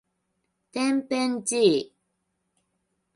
てんぺんちい